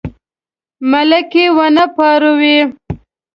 ملک یې ونه پاروي.